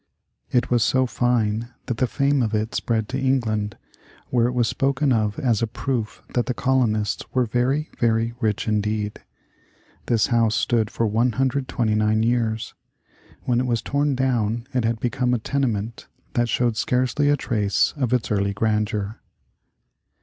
It was so fine that the fame of it spread to England, where it was spoken of as a proof that the colonists were very, very rich indeed. This house stood for 129 years. When it was torn down it had become a tenement that showed scarcely a trace of its early grandeur.